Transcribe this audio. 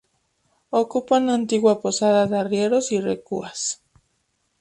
Ocupa una antigua posada de arrieros y recuas.